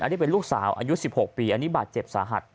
นี่เป็นลูกสาวอายุ๑๖ปีอันนี้บาดเจ็บสาหัส